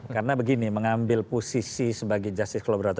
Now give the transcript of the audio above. karena begini mengambil posisi sebagai justice collaborator